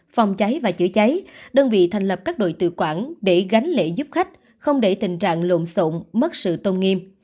phòng cháy và chữa cháy đơn vị thành lập các đội tự quản để gánh lệ giúp khách không để tình trạng lộn xộn mất sự tôn nghiêm